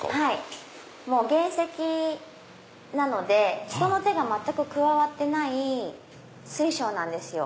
もう原石なので人の手が全く加わってない水晶なんです。